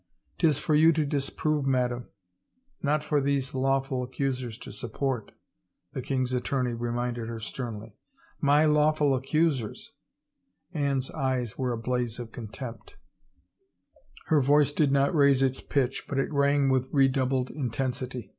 " 'Tis for you to disprove, madam, not for these law 356 r THE TRIAL •ful accusers to support," the king's attorney reminded her sternly. " My lawful accusers 1 " Anne's eyes were a blaze of contempt. Her voice did not raise its pitch, but it rang with redoubled intensity.